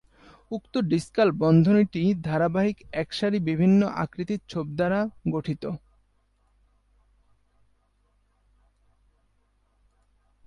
উক্ত ডিসকাল বন্ধনীটি ধারাবাহিক একসারি বিভিন্ন আকৃতির ছোপ দ্বারা গঠিত।